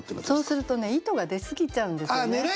そうするとね意図が出過ぎちゃうんですよね。